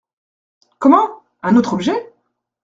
Comment ! un autre objet ?